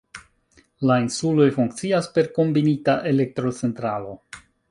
La insuloj funkcias per kombinita elektrocentralo.